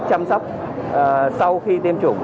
chăm sóc sau khi tiêm chủng